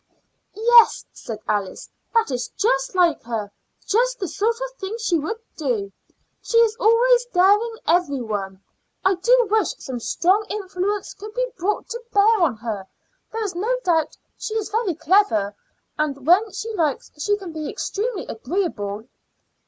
"Yes," said Alice, "that is just like her just the sort of thing she would do. She is always daring every one. I do wish some strong influence could be brought to bear on her. There is no doubt she is very clever, and when she likes she can be extremely agreeable."